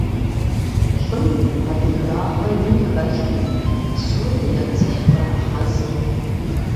ЛӀым адыгагъэ ин хэлъти, псоми я дзыхь кърагъэзырт.